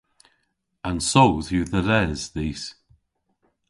An soodh yw dhe les dhis.